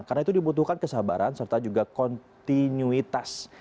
karena itu dibutuhkan kesabaran serta juga kontinuitas